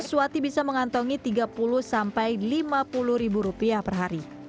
swati bisa mengantongi tiga puluh sampai lima puluh ribu rupiah perhari